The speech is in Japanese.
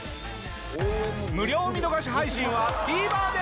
無料見逃し配信はＴＶｅｒで！